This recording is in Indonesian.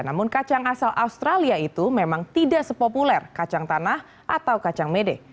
namun kacang asal australia itu memang tidak sepopuler kacang tanah atau kacang mede